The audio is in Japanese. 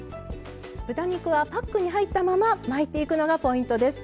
豚肉はパックに入ったまま巻いていくのがポイントです。